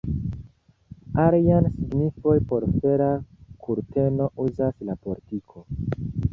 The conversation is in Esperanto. Alian signifon por fera kurteno uzas la politiko.